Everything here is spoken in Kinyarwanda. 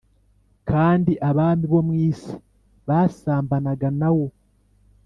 Kandi abami bo mu isi basambanaga na wo